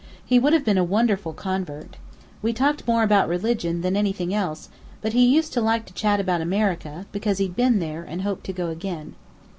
He would have been a wonderful convert! We talked more about religion than anything else, but he used to like to chat about America, because he'd been there, and hoped to go again.